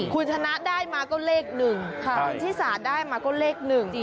คุณธนัดได้มาก็เลขหนึ่งที่สาธุได้มาก็เลขหนึ่ง